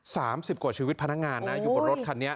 สิบกว่าชีวิตพนักงานนะอยู่บนรถคันนี้